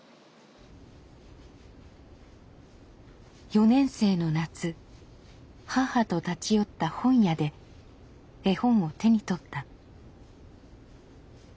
４年生の夏母と立ち寄った本屋で絵本を手に取った。